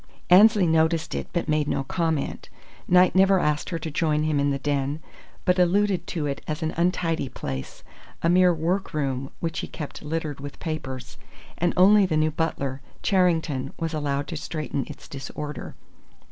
Annesley noticed it, but made no comment. Knight never asked her to join him in the den, but alluded to it as an untidy place, a mere work room which he kept littered with papers; and only the new butler, Charrington, was allowed to straighten its disorder.